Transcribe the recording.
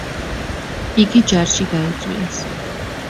იგი ჯარში გაიწვიეს.